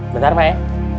bener mah ya